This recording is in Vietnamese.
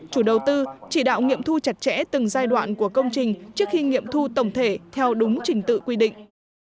chủ đầu tư chỉ đạo nghiệm thu chặt chẽ từng giai đoạn của công trình trước khi nghiệm thu tổng thể theo đúng trình tự quy định